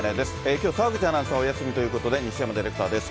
きょう、澤口アナウンサーはお休みということで、西山ディレクターです。